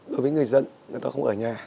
đối với người dân người ta không ở nhà